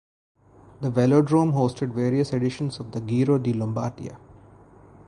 The velodrome hosted various editions of the Giro di Lombardia.